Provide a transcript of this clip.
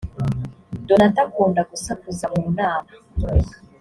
donata akunda gusakuza munama.